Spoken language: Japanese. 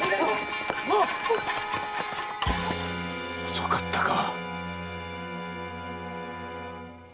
遅かったか。